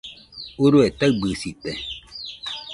Urue taɨbɨsite